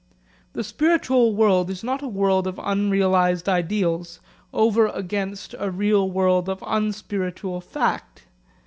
The spiritual world is not a world of unrealised ideals, over against a real world of unspiritual fact.